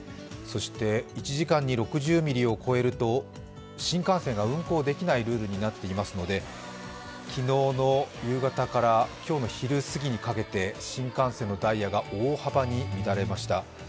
そして、１時間に６０ミリを超えると新幹線が運行できないルールになっていますので、昨日の夕方から今日の昼すぎにかけて新幹線のダイヤが大幅に乱れました。